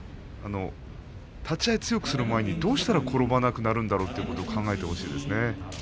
立ち合いを強くする前にどうしたら転ばなくなるんだろうということを考えてほしいですね。